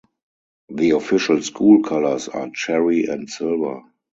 The official school colors are cherry and silver.